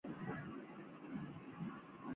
台湾棒坛则合称郭源治与庄胜雄为二郭一庄。